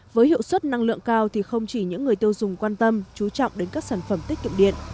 với hiệu suất năng lượng cao thì không chỉ những người tiêu dùng quan tâm chú trọng đến các sản phẩm tiết kiệm điện